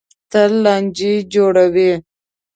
تل لانجې جوړوي.